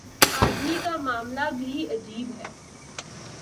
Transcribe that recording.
آدمی کا معاملہ بھی عجیب ہے۔